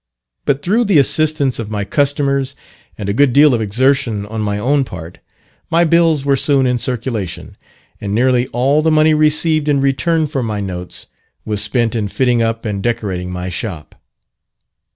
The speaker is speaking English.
But through the assistance of my customers, and a good deal of exertion on my own part, my bills were soon in circulation; and nearly all the money received in return for my notes was spent in fitting up and decorating my shop.